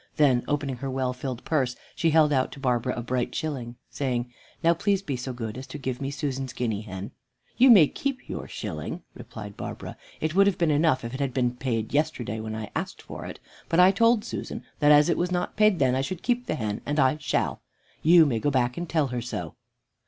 Then opening her well filled purse, she held out to Barbara a bright shilling, saying, "Now please be so good as to give me Susan's guinea hen." "You may keep your shilling," replied Barbara. "It would have been enough if it had been paid yesterday when I asked for it, but I told Susan that as it was not paid then I should keep the hen, and I shall. You may go back and tell her so."